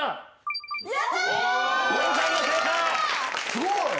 ・すごい。